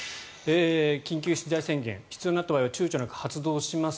緊急事態宣言が必要になった場合は躊躇なく発動します